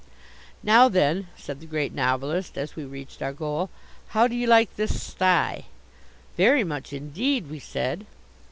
"Now then," said the Great Novelist as we reached our goal, "how do you like this stye?" "Very much indeed," we said.